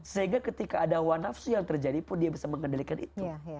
sehingga ketika ada hawa nafsu yang terjadi pun dia bisa mengendalikan itu